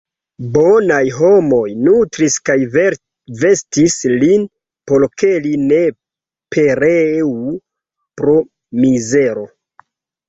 Bonaj homoj nutris kaj vestis lin, por ke li ne pereu pro mizero.